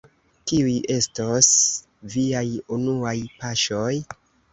Kiuj estos viaj unuaj paŝoj?